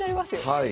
はい。